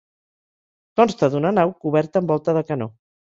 Consta d'una nau coberta amb volta de canó.